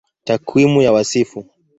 Takwimu ya Wasifu